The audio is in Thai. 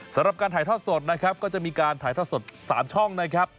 สำหรับการถ่ายทอดสดนะครับก็จะมีการถ่ายทอดสด๓ช่องนะครับ